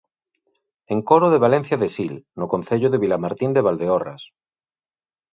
Encoro de Valencia de Sil, no concello de Vilamartín de Valdeorras.